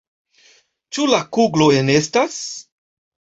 Ĉu la kuglo enestas?